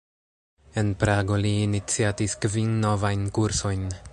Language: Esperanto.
En Prago li iniciatis kvin novajn kursojn.